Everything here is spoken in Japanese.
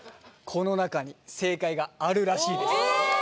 このなかに正解があるらしいです